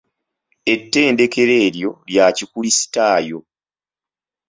Ettendekero eryo lya kikulisitaayo?